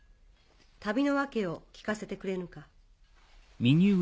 旅の訳を聞かせてくれぬか？